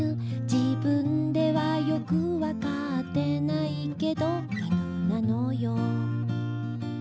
「自分ではよくわかってないけど」「犬なのよ」